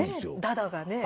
ダダがねぇ。